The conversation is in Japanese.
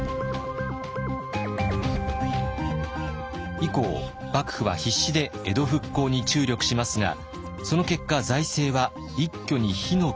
以降幕府は必死で江戸復興に注力しますがその結果財政は一挙に火の車に。